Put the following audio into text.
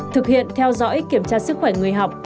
thực hiện theo dõi kiểm tra sức khỏe người học